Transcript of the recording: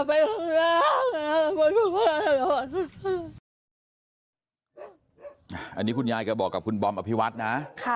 อันนี้คุณยายแกบอกกับคุณบอมอภิวัฒน์นะ